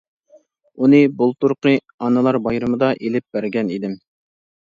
-ئۇنى بۇلتۇرقى ئانىلار بايرىمىدا ئېلىپ بەرگەن ئىدىم.